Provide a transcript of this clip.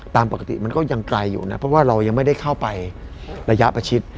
ตามปกติมันก็ยังไกลอยู่นะเพราะว่าเรายังไม่ได้เข้าไประยะประชิด